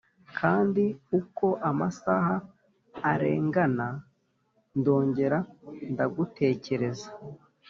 kandi uko amasaha arengana, ndongera ndagutekereza.